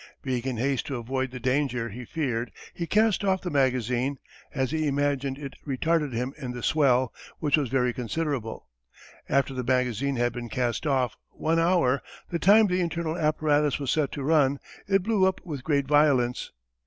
Being in haste to avoid the danger he feared, he cast off the magazine, as he imagined it retarded him in the swell, which was very considerable. After the magazine had been cast off one hour, the time the internal apparatus was set to run, it blew up with great violence.